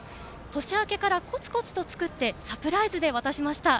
年明けから、こつこつ作ってサプライズで渡しました。